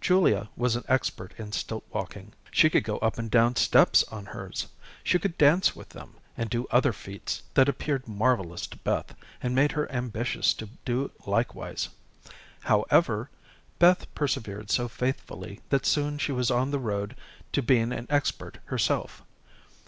Julia was an expert in stilt walking. She could go up and down steps on hers; she could dance with them, and do other feats that appeared marvelous to Beth, and made her ambitious to do likewise. However, Beth persevered so faithfully that soon she was on the road to being an expert herself.